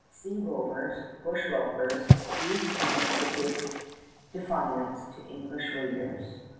Sea rovers, bush lopers, these two could bid defiance to English raiders.